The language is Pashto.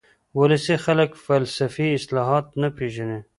ولسي خلک فلسفي اصطلاحات نه پېژني